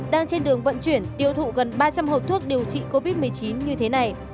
đang trên đường vận chuyển tiêu thụ gần ba trăm linh hộp thuốc điều trị covid một mươi chín như thế này